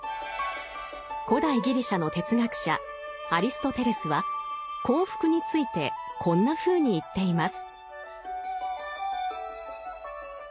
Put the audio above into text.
古代ギリシャの哲学者アリストテレスは幸福についてこんなふうに言っています。